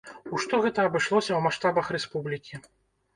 У што гэта абышлося ў маштабах рэспублікі?